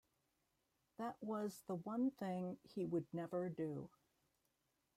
That was the one thing he would never do.